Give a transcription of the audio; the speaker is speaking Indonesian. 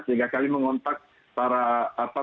sehingga kami mengontak para